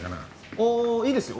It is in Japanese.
ああいいですよ。